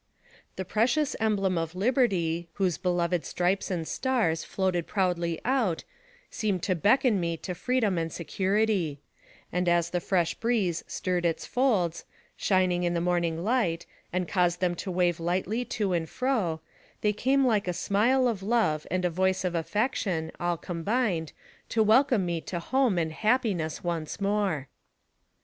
The precious emblem of liberty, whose beloved stripes and stars floated proudly out, seemed to beckon me to freedom and security; and as the fresh breeze stirred its folds, shining in the morning light, and caused them to wave lightly to and fro, they came like the smile of love and the voice of affection, all combined, to welcome me to home and happiness once more.